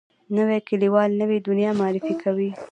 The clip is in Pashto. نوی لیکوال نوې دنیا معرفي کوي